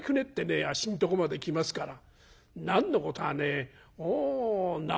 あっしのとこまで来ますから何のことはねえな